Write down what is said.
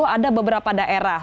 ada beberapa daerah